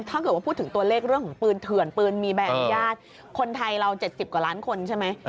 ถ้าเกิดว่าพูดถึงตัวเลขเรื่องของปืนเถื่อนปืนมีใบอนุญาตคนไทยเรา๗๐กว่าล้านคนใช่ไหม